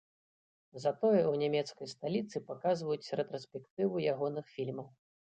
Затое ў нямецкай сталіцы паказваюць рэтраспектыву ягоных фільмаў.